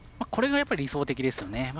これが理想的ですよね。